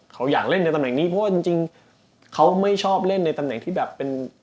เขาอยากเล่นในตำแหน่งนี้เพราะว่าจริงเขาไม่ชอบเล่นในตำแหน่งที่แบบเป็น